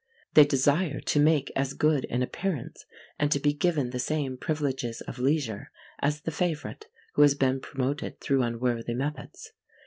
They desire to make as good an appearance, and to be given the same privileges of leisure, as the favourite who has been promoted through unworthy methods.